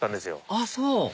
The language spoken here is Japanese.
あっそう！